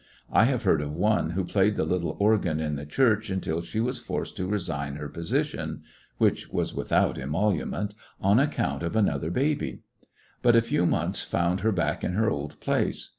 I have heard of one who played the little organ in the church until she was forced to resign her position (which was without emolument) on account of an other baby. But a few months found her back in her old place.